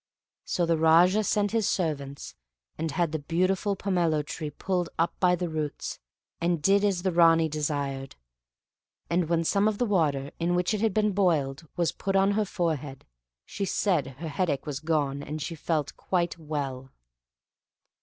So the Raja sent his servants, and had the beautiful pomelo tree pulled up by the roots, and did as the Ranee desired; and when some of the water, in which it had been boiled, was put on her forehead, she said her headache was gone and she felt quite well.